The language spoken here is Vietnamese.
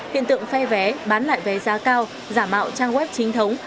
hiện tượng phe vé bán lại vé giá cao giả mạo trang web chính thống